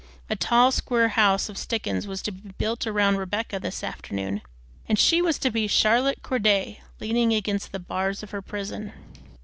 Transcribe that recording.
A tall, square house of stickins was to be built round Rebecca this afternoon, and she was to be Charlotte Corday leaning against the bars of her prison.